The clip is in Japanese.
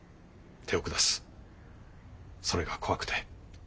手を下すそれが怖くて。